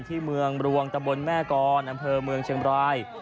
ที่เมืองรวงตะบนแม่กรอำเภอเมืองเชียงบราย